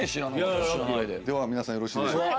皆さんよろしいでしょうか？